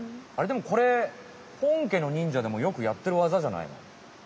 でもこれほんけの忍者でもよくやってるわざじゃないの？